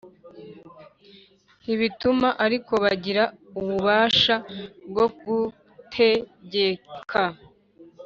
ntibituma ariko bagira ububasha bwo gutekegeka